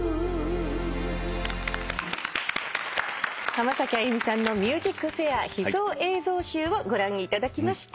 浜崎あゆみさんの『ＭＵＳＩＣＦＡＩＲ』秘蔵映像集をご覧いただきました。